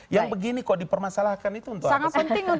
yang begini kok dipermasalahkan itu untuk apa